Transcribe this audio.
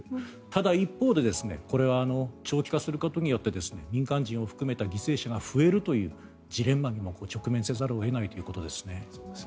ただ、一方でこれは長期化することによって民間人を含めた犠牲者が増えるというジレンマにも直面せざるを得ないということですね。